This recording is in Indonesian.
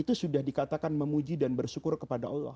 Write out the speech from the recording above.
itu sudah dikatakan memuji dan bersyukur kepada allah